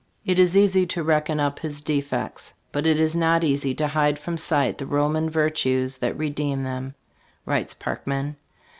"It is easy to reckon up his defects, but it is not easy to hide from sight the Roman virtues that redeemed them," writes Parkman.